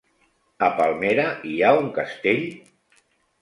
A Palmera hi ha un castell?